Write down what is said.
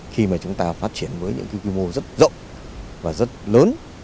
khi mà chúng ta phát triển với những cái quy mô rất rộng và rất lớn